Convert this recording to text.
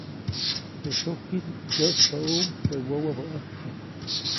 Teʼ tsujkʼis kyäʼspäʼuʼuŋ teʼ wäwäbä ʼäjksi.